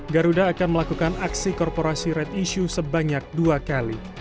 garuda akan melakukan aksi korporasi red issue sebanyak dua kali